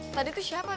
tadi itu siapa